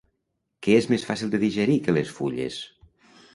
Què és més fàcil de digerir que les fulles?